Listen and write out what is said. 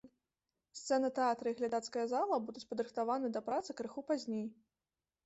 Сцэна тэатра і глядацкая зала будуць падрыхтаваны да працы крыху пазней.